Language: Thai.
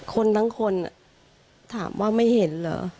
คนทั้งคนถามว่าไม่เห็นเหรอ